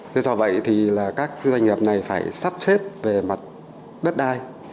thế do vậy thì là các doanh nghiệp này phải sắp xếp về mặt đất đai